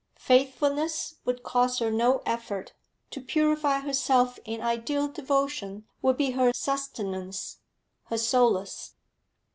Faithfulness would cost her no effort to purify herself in ideal devotion would be her sustenance, her solace.